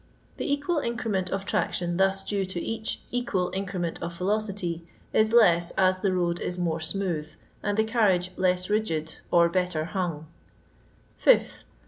The equal increment of traction thus due to each equal increment of velocity is less as the road is more smooth, and the carriage less rigid or better 5th.